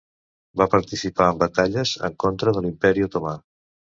Va participar en batalles en contra de l'Imperi Otomà.